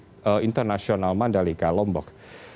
sirkuit internasional mandalika lombok